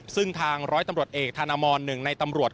ซึ่งทางร้อยตำรวจเอกธนมรหนึ่งในตำรวจ